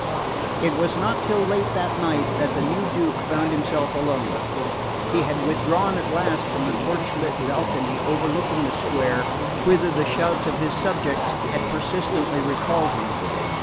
It was not till late that night that the new Duke found himself alone. He had withdrawn at last from the torch lit balcony overlooking the square, whither the shouts of his subjects had persistently recalled him.